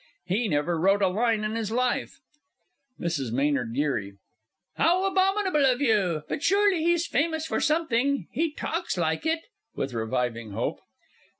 He never wrote a line in his life. MRS. M. G. How abominable of you! But surely he's famous for something? He talks like it. [_With reviving hope.